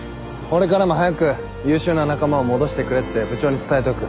俺からも早く優秀な仲間を戻してくれって部長に伝えておく。